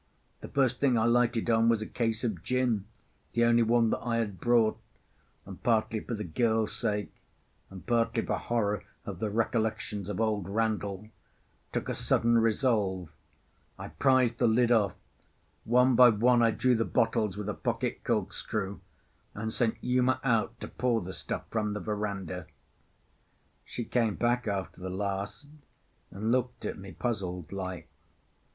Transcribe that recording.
The first thing I lighted on was a case of gin, the only one that I had brought; and, partly for the girl's sake, and partly for horror of the recollections of old Randall, took a sudden resolve. I prized the lid off. One by one I drew the bottles with a pocket corkscrew, and sent Uma out to pour the stuff from the verandah. She came back after the last, and looked at me puzzled like.